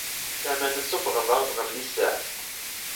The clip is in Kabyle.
Lameɛna, tessufɣeḍ-aɣ-d ɣer listeɛ.